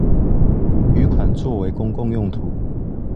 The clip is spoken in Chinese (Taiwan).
餘款作為公共用途